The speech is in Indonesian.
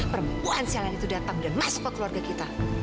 perempuan sialan itu datang dan masuk ke keluarga kita